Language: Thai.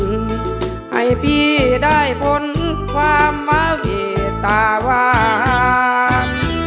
ให้พี่ได้ผลความเมตตาวัน